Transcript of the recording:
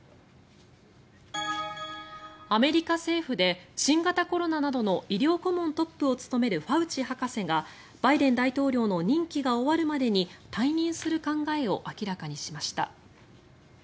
アメリカ政府で新型コロナなどの医療顧問トップを務めるファウチ博士がバイデン大統領の任期が終わるまでに退任する考えを明らかにしました。